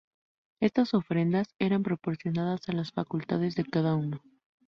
Estas ofrendas eran proporcionadas a las facultades de cada uno.